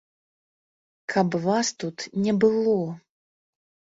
Каб вас тут не было!